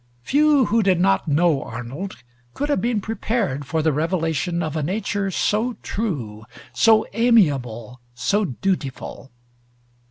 Few who did not know Arnold could have been prepared for the revelation of a nature so true, so amiable, so dutiful.